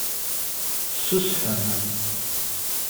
Ssusfen.